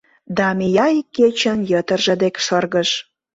Да мия ик кечын йытырже дек шыргыж